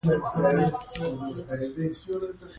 احمد د پسه غوښه قطره قطره کړه.